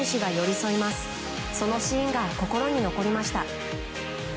そのシーンが心に残りました。